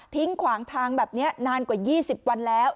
ขวางทางแบบนี้นานกว่า๒๐วันแล้ว